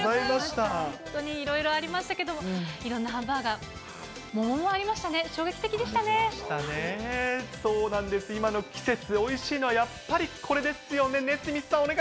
本当にいろいろありましたけど、いろんなハンバーガー、桃もありましたね、衝撃的でしたそうなんです、今の季節、おいしいのはやっぱりこれですよね、ＮＥＳＭＩＴＨさん、お願い